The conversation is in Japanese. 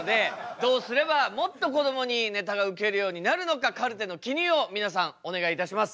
どうすればもっとこどもにネタがウケるようになるのかカルテの記入を皆さんお願いいたします。